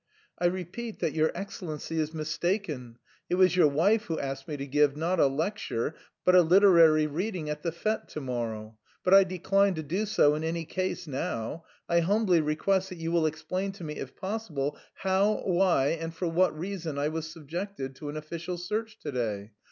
"I repeat that your Excellency is mistaken; it was your wife who asked me to give, not a lecture, but a literary reading at the fête to morrow. But I decline to do so in any case now. I humbly request that you will explain to me if possible how, why, and for what reason I was subjected to an official search to day?